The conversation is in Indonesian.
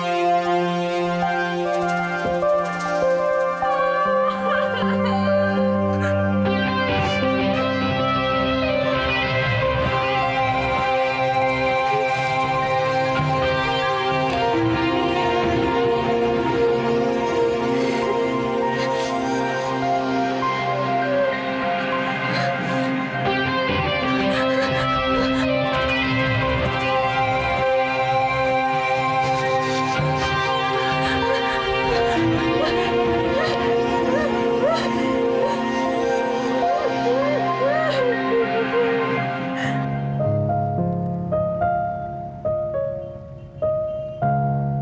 uangnya udah kan